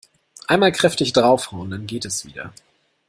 Einmal kräftig draufhauen, dann geht es wieder.